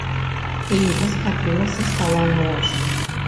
Ліпа схапіла са стала нож.